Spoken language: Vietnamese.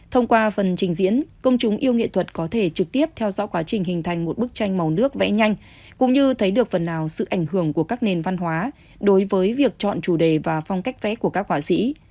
thông qua phần trình diễn công chúng yêu nghệ thuật có thể trực tiếp theo dõi quá trình hình thành một bức tranh màu nước vẽ nhanh cũng như thấy được phần nào sự ảnh hưởng của các nền văn hóa đối với việc chọn chủ đề và phong cách vẽ của các họa sĩ